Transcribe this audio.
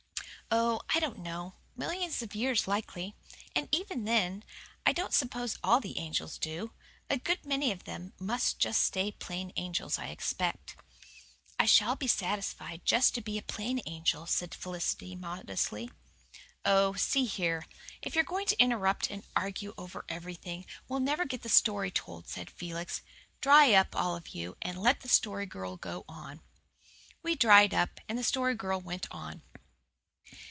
"Oh, I don't know. Millions of years likely. And even then I don't suppose ALL the angels do. A good many of them must just stay plain angels, I expect." "I shall be satisfied just to be a plain angel," said Felicity modestly. "Oh, see here, if you're going to interrupt and argue over everything, we'll never get the story told," said Felix. "Dry up, all of you, and let the Story Girl go on." We dried up, and the Story Girl went on.